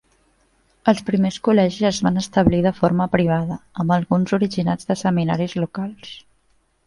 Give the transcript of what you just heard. Els primers col·legis es van establir de forma privada, amb alguns originats de seminaris locals.